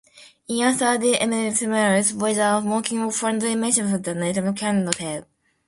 In answer D merely smiles; whether mocking or "friendly mischief" the narrator cannot tell.